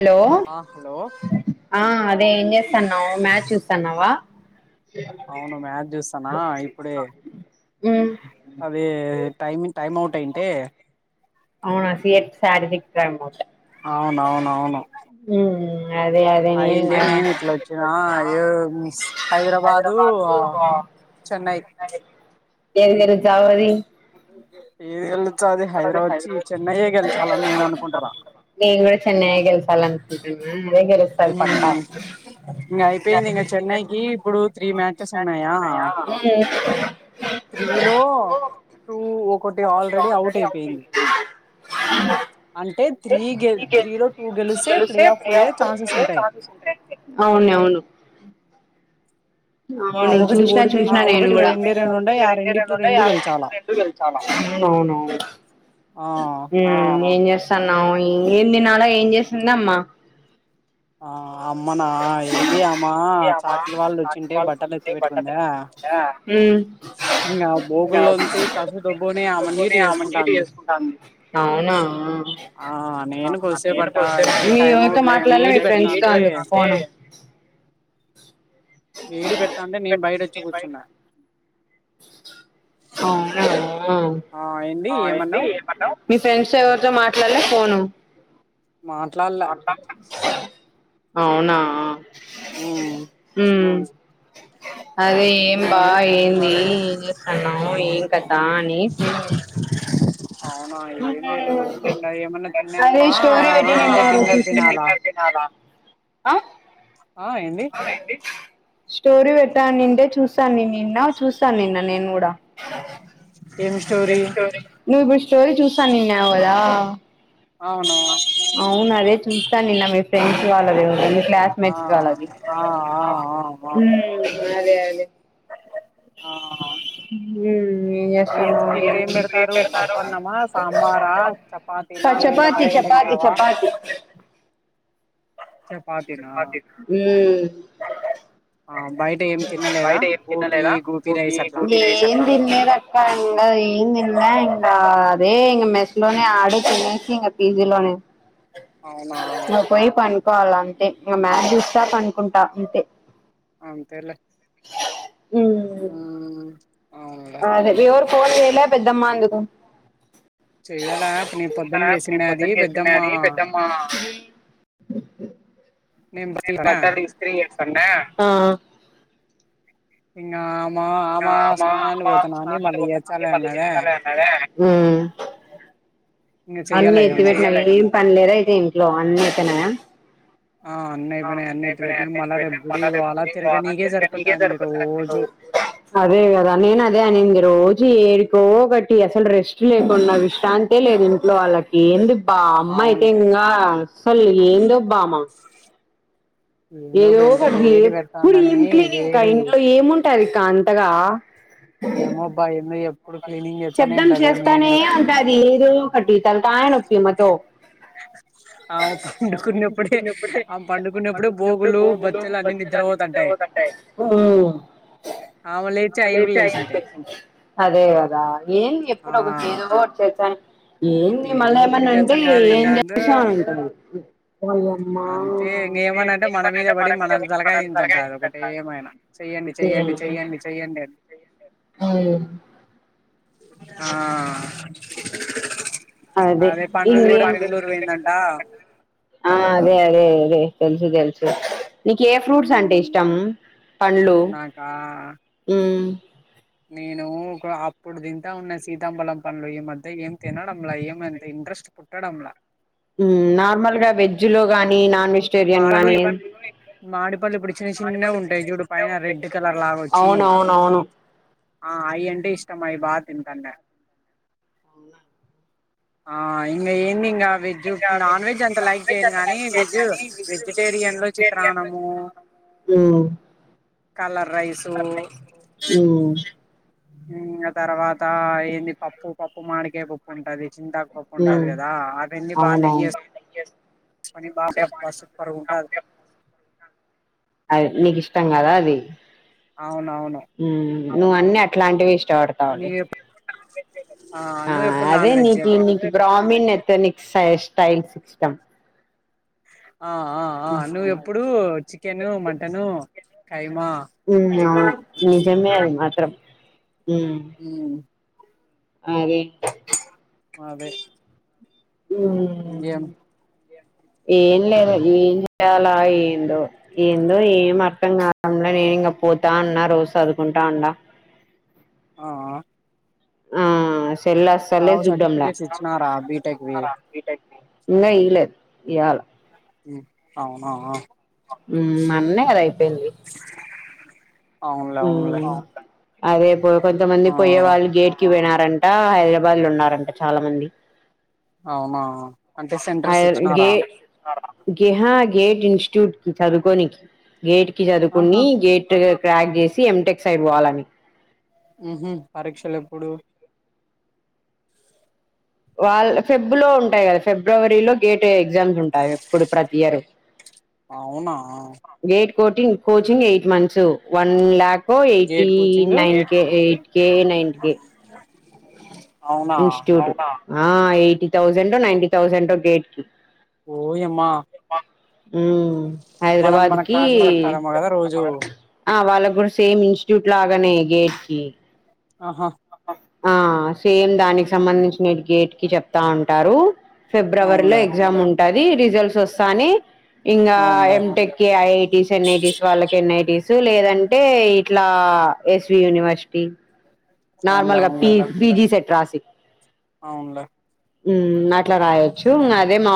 Hello ఆ hello ఆ అదే ఏం చేస్తాన్నావ్ మ్యాచ్ చూస్తున్నావా అవును మ్యాచ్ చూస్తానా ఇప్పుడే ఏమౌంటాయింటి అవునాసి ఎ శారిది టట అవునవునవును అదే అదే అయింటి కూడా నేను ఇట్లా వచ్చినా హైదరాబాదు చెన్నై ఏదేరి చవది ఏది వెళ్ళొచ్చా అదే హైదరాబాద్ వచ్చి నన్ కూడా చెన్నయ గల్అలంత [inaudible] ే గ మ్మ్ ఇంగ అయిపోయింది ప ఇక్కడ ఇచ్చిన పదాలకు ఆడియోలో వచ్చిన వాయిస్ రికార్డ్ ఇంగ కి తేడా ఉంది. అదే గెలుస్తది పక్క అని వచ్చింది. చెన్నైకి ఇప్పుడు త్రీ మ్యాచెస్ ఉన్నాయా, త్రీలో టూ ఒకటి ఆల్రెడీ అవుట్ అయిపోయింది. అంటే త్రీ త్రీలో టూ గెలిస్తే ప్లే ఆఫ్ పో్యే అవును అవును ఆ వును ఒకటి చూసినా ఓడిపోయింది చూసినా కాబట్టి ఇంక నేవువునవు రెండే రెండు ఉండాయి ఆ రెండిట్లో రెండు గెలిచాలా ఆ చేస్తున్నాం ఎంది నాలో ఏం చేసింద అమ్మా ఆ అమ్మనా ఏంది అమ్మా చాకట్ వాళ్ళు వచ్చింటే బట్టలు ఎత్తి పెట్టుకుందా. ఉమ్. ఇంకా భోగుల్లోంత కసు బ్బుని అమ నీటి వసుకుంటాం.. ది అవునా ఆ నేనుక వస్తే బట్ట ఇప్పుడే మీ టైం ఎవరితో అవట్లేదు వే. మాట్లాడలే మీ డి ఫ్రెండ్స్ కాలు అవును వేడి పెడతా అంటే నేను బయట వచ్చి కూర్చున్నా అవునా ఆ ఏంది ఆ ఏమన్నావ్ మీ ఫ్రెండ్స్ ఎవరితో మాట్లాడలే ఫోను మాట్లాడలే [unintelligible] అవునా ఉమ్ మ్ అదే ఏం బా ఏంది ఏం చేస్తన్నావ్ ఏం కతా అని ఫోన్ చేశ్నా అవునా ఏం చేయలే ఊర్కేనుండా ఏమన్నా అదే తిన్నావా స్టోరీ లేదంటే డిన్నర్ తినాలా అ ఆ ఏంది స్టోరీ పెట్టా అనింటే చూసాను నిన్న చూసాను నిన్న నేను కూడా ఏం స్టోరీ నువ్వు ఇప్పుడు స్టోరీ చూస్తా అనిన్నావ్ కదా ఆ అవును ఇన్స్టా నిన్న మీ ఫ్రెండ్స్ వాళ్ళ [unintelligible] ఆ క్లాస్మేట్స్ వాళ్ళది ఆ ఆ ఆ మ్ అదే అ ఆ ఆ మ్మ్ ఏం ఇప్పుడు ఏం పెడతారు పప్పన్నమా సాంబారా చపాతీనా లేదంటే చపాతి బయట చపాతి తింటావా చపాతి చపాతీనా ఏం ఆ బయట ఏం తినలేదా తిన్లే గోపి గోపి రైస్ అట్లా ఇంగ ఏం తిన్లా ఇంగ అదే ఇంగ మెస్ లోనే ఆడే తినేసి ఇంగ పీ జీ లోనే అవునా కోవాలంతే ఇంగ మాచ్చూస్తా పన్ కుంటా ఇంతే అంతేలే ఉమ్ అవునులే అదే ఎవరూ ఫోన్ చెయ్లే పెద్దమ్మ అందు [unintelligible] చెయ్యాలా అప్పుడు నీ పొద్దున్న చేసిన్నాది పెద్దమ్మ నేను బతికినా ఆ ఇంగా మళ్ళీ చేచ్చాలే అన్నదే ఇంగ అన్నీ చెయ్యాలే ఎత్తి ఏమో పెట్టి ఏం పనిలేదా ఏవి లో అన్నీ అయితేనా ఆ అన్ని అయిపోయినాయి అన్ని ఎత్తి పెట్టినాం మళ్ళా రేపు గుడికి పోవాలా తిరగనీకే సరిపోతాంది రోజు నేను అదే అనింది రోజు ఏడికో ఒకటి అసలు రెస్ట్ లేకుండా విశ్రాంతే లేదు ఇంట్లో వాళ్ళకి ఎందుకు బామ్మ అయితే అవును ఇంకా అస్సలు ఏందో బామా ఏందో ఏదో బా ఇంత ఒకటి వేడి ఎప్పుడు ఏం పెడతాందని క్లీనింగ్ కా వేడి ఇంట్లో ఏముంటది కాంతగా ఏమోబ్బా ఏమయో శబ్దం చేస్తానే ఉంటాది ఏదో ఒకటి తలకాయనొప్పి అమ్మతో ఆమె పండుకున్నప్పుడే పడుకున్నప్పుడు పండుకున్నప్పుడే బోగులు బొచ్చలు అన్నీ నిద్ర పోతుంటాయి ఆమె అమ్మ అయి కూడా లేచి లేచింటాయి అదే కదా ఏం ఆ ఎప్పుడు ఒకరు [unintelligible] వం ఏంది ఏదో మళ్ళా ఒకటి ఏమన్నా అంటే చేస్తుంటాది ఏం ఏందో చేసాం అని అంటారు అంతే ఇంక ఏమైనా అంటే మన మీద పడి మన తలకాయ తింటంటారు ఒకటే ఏమైనా చెయ్యండి చెయ్యండి చెయ్యండి చెయ్యండి అని అవును ఆ అదే ఇ పండుది కూడా బెంగళూరు పోయిందంట అదే అదే రే రే తెలుసు తెలుసు నీకు ఏ ఫ్రూట్స్ అంటే ఇష్టం పళ్ళు నాకా నేను ఒక అప్పుడు తింటా ఉన్న సీతాఫలం పండు ఈ మధ్య ఏం తినడంలా ఏమంత ఇంట్రెస్ట్ పుట్టడంలా నార్మల్ గా వెజ్జ్ లో గాని నా మాలు మామిడిపళ్ళు ఇప్పుడు చిన్న చిన్నవి ఉంటయి చూడు పైన రెడ్ కలర్ లాగొచ్చి అవునవునవును ఆ అయ్యంటే ఇష్టం అయి బా తింటాన్నేను ఆ ఇంగ్ ఎందింగా వెజ్ నాన్ వెజ్ అంత లైక్ చేయను గానీ వెజ్ వెజిటేరియన్ లో చిత్రాన్నము ఉమ్ కలర్ రైసు ఉమ్ ఊ తర్వాత ఏంది పప్పు పప్పు మామిడికాయ పప్పు ఉంటాది చింతాకుపప్పు ఉంటాది ఉమ్ కదా అవన్నీ బాగా అవునవును నెయ్యిసుకుని బాగా సూపర్ ఉంటుంది అ నీకు ఇష్టం కదా అది అవునవును ఉమ్ నువ్వు అన్ని అట్లాంటివి ఇ చి ఎవడికి కావాలి నీవు ఆ నువ్వు ఎప్పుడు అదే నాన్ నీ వెజ్ కి అండి నీ న్ ఎథనిక్స్ స్టైల్ సిస్టమ్ ఆ ఆ ఆ నువ్వెప్పుడూ చికెను మటను కైమా ఉ నిజమే మా ఇద్దరం ఉమ్ అదే అదే ఏం ఉమ్ ఏం లేదు ఏం చెయాలా ఏందో ఏందో ఏం అర్థం కావడం లే నేను ఇంక పోతా అన్నారు సదురుకుంటాడ ఆ ఆ ఆ పిల్ల అస్సలే చూడంలే సర్టిఫికేట్స్ ఇచ్చినారా బీటెక్ వి ఈళె ఈళె ఇయ్యాల అవునా ఉమ్ మొన్నే కదా అయిపొయింది అవునులే అవునులే ఉమ్ అదే పో కొంచం మంది ఆ పోయ్యే వాళ్ళు గేట్కి పోణారంట అంట హైదరాబాద్ లో ఉన్నారంట చాలా మంది అవునా అంటే ఆ సెంటర్స్ గే ఇచ్చినారా గేహ గేట్ ఇన్స్టిట్యూట్ కి చదువుకోనికి గేట్ కి ఆహా చదువుకుని గేట్ ప్యాక్ చేస్ సి ఎం టెక్స్ అయిపోవాలని ఉహు హు పరీక్షలు ఎప్పుడు వాళ్ళ ఫెబ్ లో ఉంటాయి కదా ఫిబ్రవరిలో గేట్ అయ్య ఎగ్జామ్స్ ఉంటాయి ఎప్పుడు ప్రతి ఇయర్ అవునా gate coating coaching eight months one lakh gate eighty coaching nine K eight K nine K అవునా ఇన్స్టిట్యూట్ ఆ ఎయిటీ థౌజండ్ ఒ నైటీ థౌజం ఒ గేట్ కి ఓయమ్మా ఉమ్ మనం హైదరాబాద్ మన కి క్లాసెస్ చెప్తారేమో కదా రోజు వాళ్ళ ఇప్పుడు సేమ్ ఇన్స్టిట్యూట్ లాగానే గేటెకీ ఆహా ఆ సేమ్ దానికి సంబంధించిన న గేట్ కి చెప్తా ఉంటారు ఫిబ్రవరిలో అవునులే ఎగ్జామ్ ఉంటుంది ఉంటది రిజల్ట్స్ వస్తానే ఇంకా ఎ అవునులే ఎం టెక్ కి ఐ ఐ టీ స్ ఎన్ ఐ టీస్ వాళ్ళకి ఎన్ ఐ టిస్ లేదంటే ఇ ఇలా ఎస్వి యూనివర్సిటీ అవునులే నార్మల్గా పి పిజీ సెట్ రాసిక్ అవున్లే హ్మ్ అట్లా రాయొచ్చు అదే మా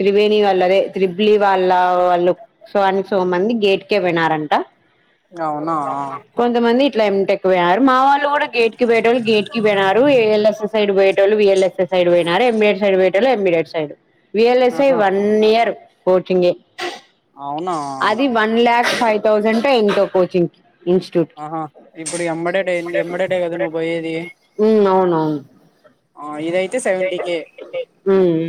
త్రివేణి వాళ్ళ అదే త్రిబలి వాళ్ళ వాళ్ళుసో అనికి స మంది గేట్కే వినారంట అవునా కొంతమంది ట్ల ఎం టెక్ పోయారు మా వాళ్ళు కూడా గేట్ కి పోయేటళ్ళు గేట్కి పోయినారు ఏ ల్ ఎస్ సైడ్ బయట వాళ్ళు వి ఎల్ ఎస్ సైడ్ పోయినారు ఎం ఎ సైడ్ ఏలో ఎమీడిట్ side V L S I ఆహా వన్ ఇయర్ కోచింగే అవునా అది వన్ ల్యాక్ ఫైవ్ తౌసండ్ టెంటో కోచింగ్ ఇన్స్టిట్యూట్ కి ఆహా ఇప్పుడు ఎమ్మడే ఏమ్మడటే కద నువ్ పోయేది ఆ ఆ ఇదై తే సేవేంటీ కె ఉ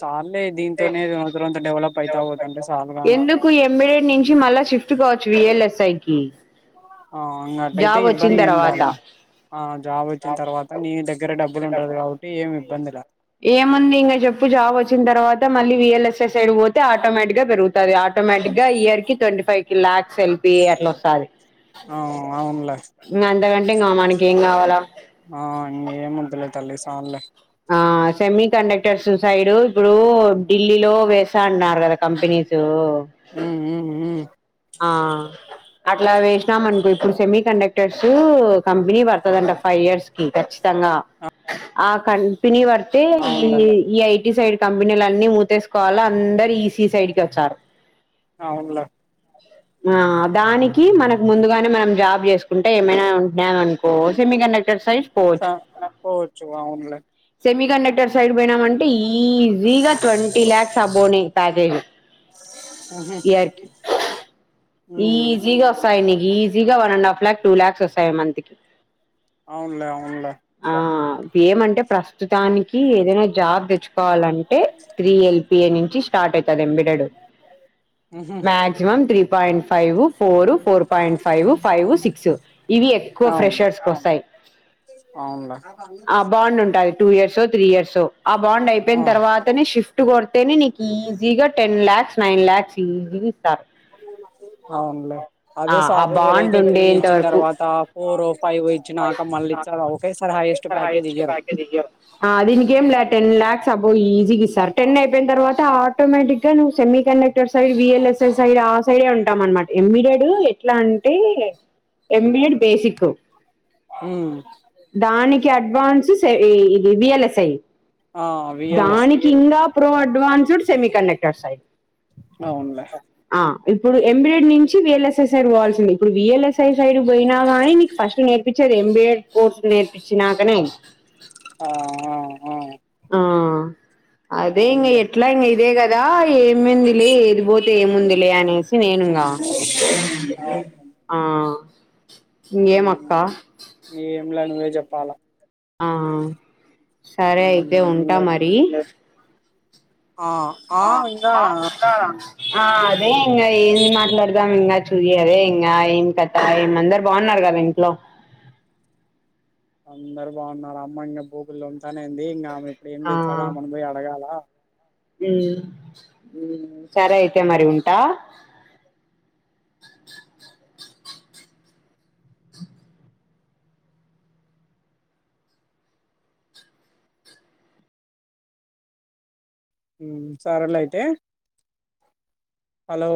చాల్లె దీంతోనే రొంత రొంత డెవలప్ అయితా పోతుంటే చాలుగాని ఎందుకు ఎంబీడెడ్ నుంచి మళ్ళా షిఫ్ట్ కావచ్చు వి ఎల్ ఎస్ ఐ కి ఆ ఇంగ అట్టయితే జాబ్ వచ్చిన ఇబ్బంది ఏం తర్వాత రాలే ఆ జాబ్ వచ్చిన తర్వాత నీ దగ్గర డబ్బులు ఉంటది కాబట్టి ఏమి ఇబ్బందిలే ఏముంది ఇంక చెప్పు జాబ్ వచ్చిన తర్వాత మళ్ళీ వి ఎల్ ఎస్ సైడ్ కి పోతే ఆటోమేటిక్గా పెరుగుతది ఆటోమటిక్గా ఇయర్ కి ట్వంటీ ఫైవ్ కి లాక్స్ ఎల్పిఏ అట్లా ఆ అవున్లే అంత గంటే మనకి ఏం కావాల లే తల్లి సాల్లే ఆ సెమీ కండక్టర్ ససైడు ఇప్పుడు ఢిల్లీలో వేస్తా అన్నారు కదా కంపెనీస్ హ్మ్ హు హ్మ్ ఆ అట్లా వేసినాం అనుకో ఇప్పుడు సెమీ కండక్టర్స్ కంపెనీ పడుతదంట ఫైవ్ ఇయర్స్ కి ఖచ్చితంగా ఆ కంపెనీ ప తే ఈ అవునులే ఈ ఐ సైడ్ కంపెనీలన్నీ మూతేసుకోవాల అందరు ఈస సైడ్ కి వచ్చారు వునులా ఆ దానికి మనకు ముందుగానే మనం జాబ్ చేసుకుంటే ఏమైనా ఉంటున్నాం అనుకో సెమీ కండక్టెడ్ సైజ్ స పోచ్చు వావున్లే సెమీ కండక్టర్ సైడ్ వెేనామంటడి అంటే ఈజీగా ట్వంటంటీ లలాక్స్ అబోనే ప్యాకేజ్ ఉహు ఇకి ఉమ్ ఈజీగ వసాయని ఈజీగా one and half లలాక్ two lakhs వస్తాయి మంత్కీ అవునులే అవునులే ఇ ఏమంటే ప్రస్తుతానికి ఏదైనా జాబ్ తెచ్చుకో కోవాలంటే త్రీ ఎల్పి పిఏ నుంచి స్టార్ట్ అవుతుంది ఎంబిడడు ఉహు maximum three point five four four point five five six ఇవి ఎక్కువ అవునులే ఫ్రెషర్స్ వస్తాయి అవునులే బాగుం ఉంటాయి two year so three year so ఆ బాండ్ అయిపోయిన ఆ తర్వాతనే షిఫ్ట్ కొడితేనే నీకు ఈజీగా టెన్ ల్యాక్స్ నైన్ ల్యాక్స్ ఈజీగా ఇస్తారు అవునులే ఆ అదే ఆ సాఫ్ట్వేర్ బాండ్ అయితే త్రీ ఉండేంత ఇచ్చిన వరకు తర్వాత ఫోర్ ఫైవ్ ఇచ్చినాక మళ్ళీ ఇచ్చా రే స హైయెస్ట్ ప్యాకేజ్ ఇయ్యరు బ ఈజీ సార్ టెన్ అయిపోయిన తర్వాత ఆటోమేటిక్గా నువ్ semi connect side V L S side ఆ సైడే ఉంటాం అనమాట ఎమ్మిడాడు ఎట్లా అంటే ఎంఏడ్ బసిక్ ఉమ్ దానీ అడ్వాన్స్ ఇది విఎలస్రై ఆ విఎల్ఎస్ దానికి ఇంకా ప్రొడ్ దువాచుడ్ సెమీ కండక్టర్ సై అవును లే ఆ ఇప్పుడు ఎంబి ఎడ్ నుంచి వి ఎల్ ఎస్ఎస్ సైడ్ పోవాల్సింది ఇప్పుడ్ V L S I side పోయినా గానీ నీకు ఫస్ట్ నేర్పిచ్ సరే ఎంబీ ఏడ్ కోర్స్ నేర్పించినాకనే ఆ ఆ ఆ ఆ అదే ఇంగ అవునులే ఎట్ల ఇంగ్ ఇదే కద్ రా ఏమింది లే ఏటు పోతే ఏముంది లే అనేసి నేనుగా ఇంగ ఆ ఇంగేమ్ అక్క చెప్పాల ఆ సరే అయితే ఉమ్ ఉంటా ఇంగ మరి ఆ ఆ ఇంగా ఆ అదే ఇంగా ఏం మాట్లాడుదాం ఇంగా చూయి అదే ఇంగా ఏం కథ ఏమ్ అందరు బావున్నారు కదా ఇంట్లో అందరు బాగున్నారు అమ్మ ఇంగ బూగుల్లో ఉ తనేంది ఇంగా ఆమె ఇప్పుడు ఏం ఆ చేస్తాదో ఆమెని పోయి అడగాల ఉమ్ సరే అయితే మరి ఉంటా ఉమ్ సర్లే అయితే హలో